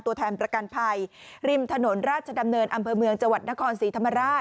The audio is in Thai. ตัวแทนประกันภัยริมถนนราชดำเนินอำเภอเมืองจังหวัดนครศรีธรรมราช